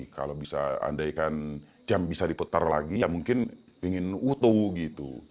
kalau bisa andaikan jam bisa diputar lagi ya mungkin ingin utuh gitu